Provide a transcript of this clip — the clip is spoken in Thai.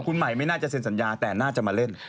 คุณใหม่ไม่น่าจะเซ็นสัญญาแต่น่าจะมาเล่น